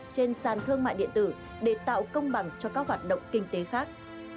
trên sàn thương mại điện tử để tạo công bằng cho các hoạt động kinh tế khác